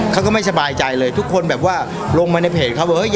เขาก็ไม่สบายใจเลยทุกคนแบบว่าลงมาในเพจเขาเฮ้ย